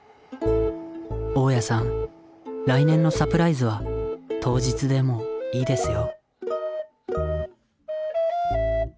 大家さん来年のサプライズは当日でもいいですよ